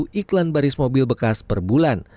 dan di sini juga ada pilihan mobil bekas per bulan